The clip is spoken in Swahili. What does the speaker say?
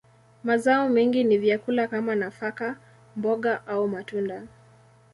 Mazao mengi ni vyakula kama nafaka, mboga, au matunda.